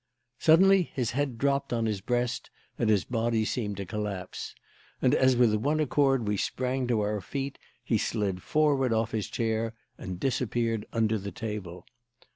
Suddenly his head dropped on his breast and his body seemed to collapse; and as with one accord we sprang to our feet, he slid forward off his chair and disappeared under the table.